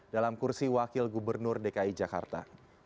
dalam kursi wakil gubernur dki jakarta